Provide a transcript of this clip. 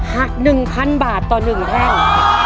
๑๐๐๐บาทต่อ๑แท่ง